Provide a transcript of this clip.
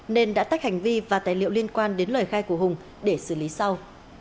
nên đã tách hành vi và tài liệu liên quan đến lời khai của hùng để xử lý sau